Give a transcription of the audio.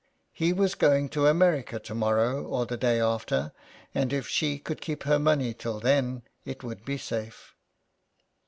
He was going to America to morrow or the day after, and if she could keep her money till then it would be safe.